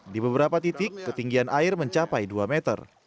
di beberapa titik ketinggian air mencapai dua meter